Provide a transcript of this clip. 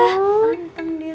oh hanteng dia semua